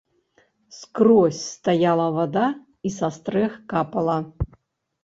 Скрозь стаяла вада і са стрэх капала.